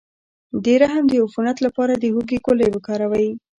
د رحم د عفونت لپاره د هوږې ګولۍ وکاروئ